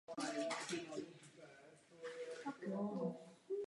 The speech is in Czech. Preferuje propustné vlhké půdy a výsluní.